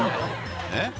「えっ？